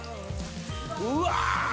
うわ！